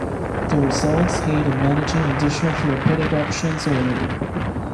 The results aid in managing additional therapeutic options earlier.